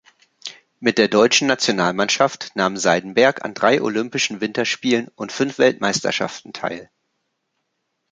Mit der deutschen Nationalmannschaft nahm Seidenberg an drei Olympischen Winterspielen und fünf Weltmeisterschaften teil.